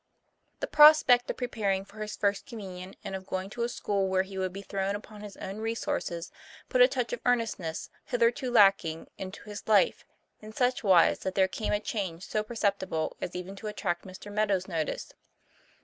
The prospect of preparing for his First Communion, and of going to a school where he would be thrown upon his own resources, put a touch of earnestness, hitherto lacking, into his life, in such wise that there came a change so perceptible as even to attract Mr. Meadow's notice.